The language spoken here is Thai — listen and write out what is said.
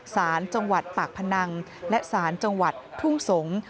สารจังหวัดปากพนังและสารจังหวัดทุ่งสงศ์